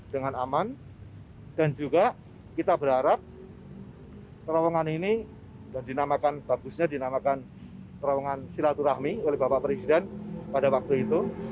dengan aman dan juga kita berharap terowongan ini dan dinamakan bagusnya dinamakan terowongan silaturahmi oleh bapak presiden pada waktu itu